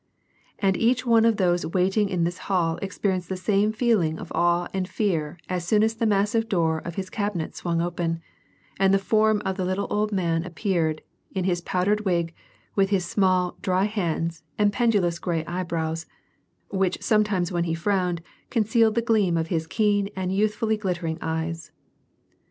And each one of those waiting in this hall experienced the same feeling of awe and fear as soon as the massive door of his cabinet swung open, and the form of the little old man appeared, in his j)owdered wig, with his small, dry hands and pendulous gray eyebrows, which sometimes when he frowned concealed the gleam of his keen and youthfully glittering eyes.